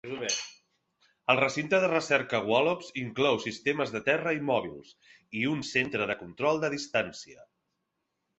El Recinte de Recerca Wallops inclou sistemes de terra i mòbils, i un centre de control de distància.